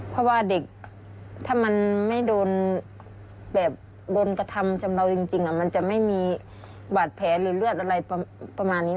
เพราะว่าเด็กถ้ามันไม่โดนแบบโดนกระทำชำเลาจริงมันจะไม่มีบาดแผลหรือเลือดอะไรประมาณนี้